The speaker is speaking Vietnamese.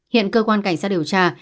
hiện cơ quan cảnh sát điều tra